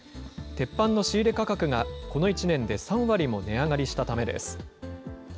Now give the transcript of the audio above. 鉄板の仕入れ価格がこの１年で３割も値上がりしたためです。